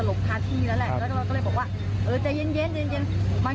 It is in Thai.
แล้วทีนี้เราก็เลยบอกเขาว่าใจเย็นเย็นใจเย็นเย็น